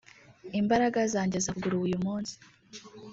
Imbaraga zanjye zavuguruwe uyu munsi